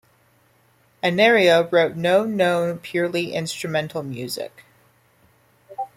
Anerio wrote no known purely instrumental music.